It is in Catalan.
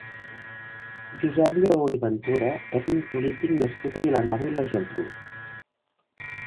Josep Lleó i Ventura és un polític nascut a Vilanova i la Geltrú.